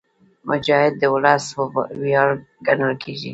مجاهد د ولس ویاړ ګڼل کېږي.